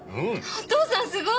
お父さんすごい！